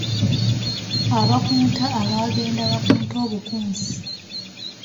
Abakunta abaagenda bakunta obukunsi.